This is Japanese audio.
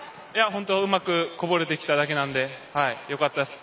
本当、うまくこぼれてきただけなのでよかったです。